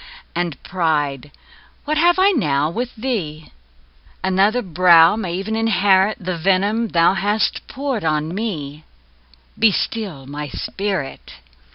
And pride, what have I now with thee? Another brow may ev'n inherit The venom thou hast poured on me Be still my spirit!